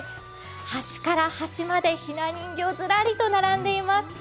端から端までひな人形がずらりと並んでいます。